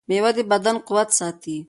مېوه د بدن قوت ساتي.